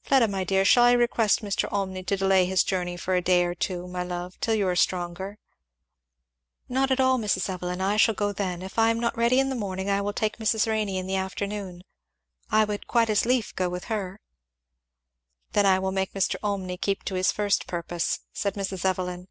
"Fleda, my dear, shall I request Mr. Olmney to delay his journey for a day or two, my love, till you are stronger?" "Not at all, Mrs. Evelyn! I shall go then; if I am not ready in the morning I will take Mrs. Renney in the afternoon I would quite as lief go with her." "Then I will make Mr. Olmney keep to his first purpose," said Mrs. Evelyn.